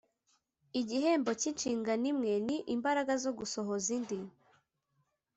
igihembo cy'inshingano imwe ni imbaraga zo gusohoza indi.